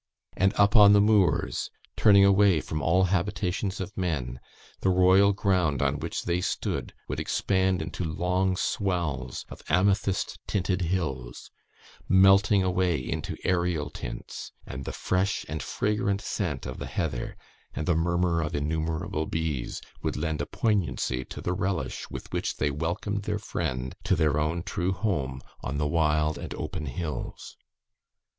And up, on the moors, turning away from all habitations of men, the royal ground on which they stood would expand into long swells of amethyst tinted hills, melting away into aerial tints; and the fresh and fragrant scent of the heather, and the "murmur of innumerable bees," would lend a poignancy to the relish with which they welcomed their friend to their own true home on the wild and open hills.